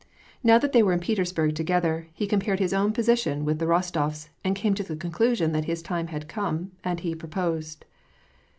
Now that they were in Petersburg together, he compared his own position with the Bostofs', and came to the conclusion that his time had come, and he proposed.